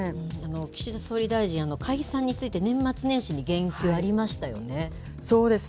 岸田総理大臣、解散について、年末年始に言及ありましたよね。